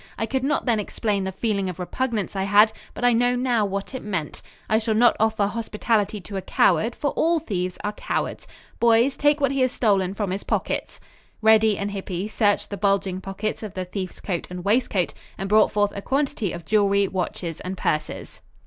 I could not then explain the feeling of repugnance I had, but I know now what it meant. I shall not offer hospitality to a coward, for all thieves are cowards. Boys, take what he has stolen from his pockets." Reddy and Hippy searched the bulging pockets of the thief's coat and waistcoat, and brought forth a quantity of jewelry, watches and purses.